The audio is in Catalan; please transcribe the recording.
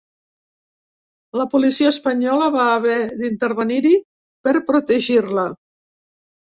La policia espanyola va haver d’intervenir-hi per protegir-la.